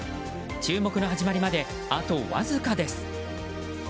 注目の始まりまであとわずかです。